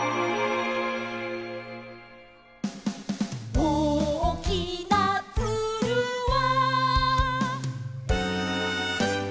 「おおきなツルは」